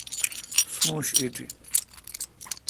سونش ایٹی۔